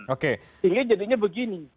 sehingga jadinya begini